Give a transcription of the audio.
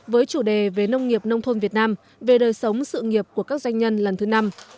với chủ đề về nông nghiệp nông thôn việt nam về đời sống sự nghiệp của các doanh nhân lần thứ năm